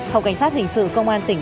học cảnh sát hình sự công an tỉnh